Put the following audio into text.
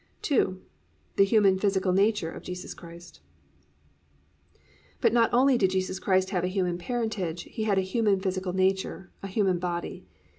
II. THE HUMAN PHYSICAL NATURE OF JESUS CHRIST But not only did Jesus Christ have a human parentage, He had a human physical nature, a human body.